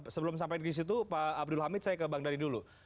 sebelum sampai di situ pak abdul hamid saya ke bang dhani dulu